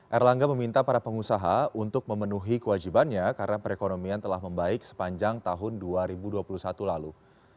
erlangga meminta para pengusaha untuk memenuhi kewajibannya karena perekonomian telah membaik sepanjang tahun dua ribu dua puluh satu lalu